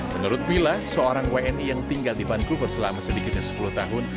menurut mila seorang wni yang tinggal di vancouver selama sedikitnya sepuluh tahun